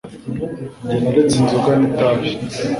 Nge naretse inzoga nitabi